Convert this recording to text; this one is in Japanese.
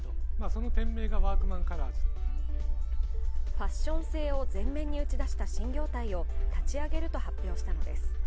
ファッション性を前面に打ち出した新業態を立ち上げると発表したのです。